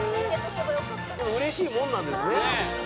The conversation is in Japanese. でもうれしいもんなんですね。